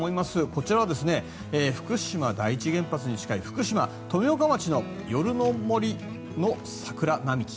こちらは福島第一原発に近い福島・富岡町の夜の森の桜並木。